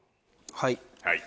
はい。